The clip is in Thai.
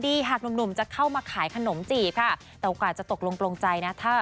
ได้หลายอย่างนะคะ